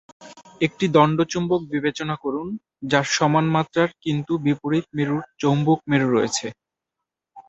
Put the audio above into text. একটি দণ্ড চুম্বক বিবেচনা করুন যার সমান মাত্রার কিন্তু বিপরীত মেরুর চৌম্বক মেরু রয়েছে।